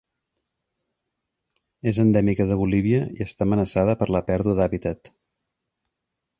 És endèmica de Bolívia i està amenaçada per la pèrdua d'hàbitat.